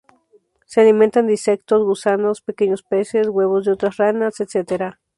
Se alimentan de insectos, gusanos, pequeños peces, huevos de otras ranas, etc.